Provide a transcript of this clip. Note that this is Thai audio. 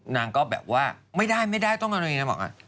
นางก็แบบว่าไม่ได้ไม่ได้ต้องการอะไรนี่นะ